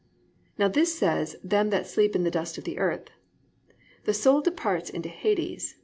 "+ Now this says "them that sleep in the dust of the earth." The soul departs into Hades.